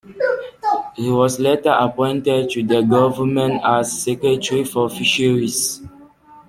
He was later appointed to the government as Secretary for Fisheries.